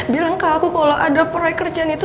bilang ke aku kalau ada proyek kerjaan itu